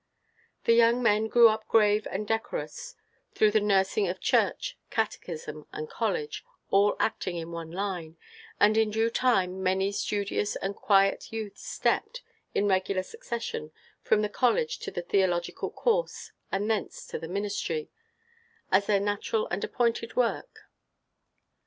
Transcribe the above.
The young men grew up grave and decorous through the nursing of church, catechism, and college, all acting in one line; and in due time many studious and quiet youths stepped, in regular succession, from the college to the theological course, and thence to the ministry; as their natural and appointed work.